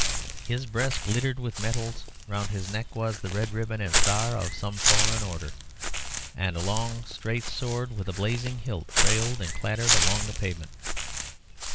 His breast glittered with medals; round his neck was the red ribbon and star of some foreign order; and a long straight sword, with a blazing hilt, trailed and clattered along the pavement.